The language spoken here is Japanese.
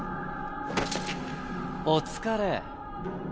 お疲れ。